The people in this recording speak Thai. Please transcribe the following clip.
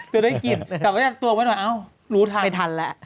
แต่ว่าอยากตวงไว้หน่อยเอ้ารู้ทัน